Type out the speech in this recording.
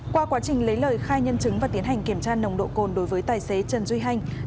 qua quá trình lấy lời khai nhân chứng và tiến hành kiểm tra nồng độ cồn đối với tài xế trần duy hanh